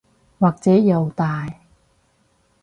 或者又大